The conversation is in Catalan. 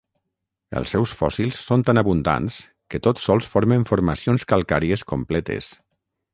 Els seus fòssils són tan abundants que tots sols formen formacions calcàries completes.